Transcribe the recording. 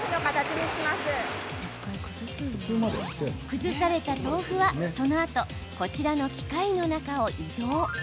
崩された豆腐は、そのあとこちらの機械の中を移動。